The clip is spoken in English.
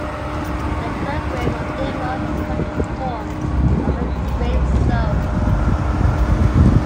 The Kirkegrim of Denmark took the form of a 'grave-sow'.